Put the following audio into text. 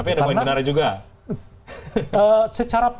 tapi ada poin menarik juga